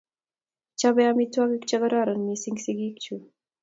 Chope amitwogik che kororon missing' sigik chuk